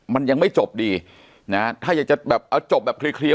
มันยังไม่จบดีนะฮะถ้าอยากจะแบบเอาจบแบบเคลียร์